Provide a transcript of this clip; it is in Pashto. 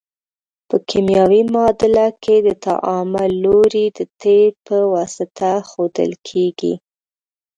په کیمیاوي معادله کې د تعامل لوری د تیر په واسطه ښودل کیږي.